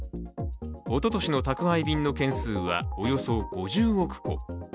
おととしの宅配便の件数はおよそ５０億個。